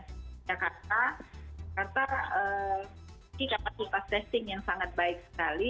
kita kata kita kata kapasitas testing yang sangat baik sekali